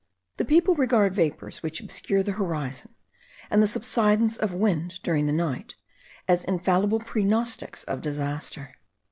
The people regard vapours which obscure the horizon, and the subsidence of wind during the night, as infallible pregnostics of disaster.